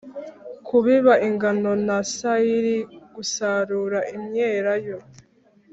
Kubiba ingano na sayiri Gusarura imyelayo